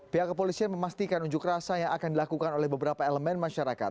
pihak kepolisian memastikan unjuk rasa yang akan dilakukan oleh beberapa elemen masyarakat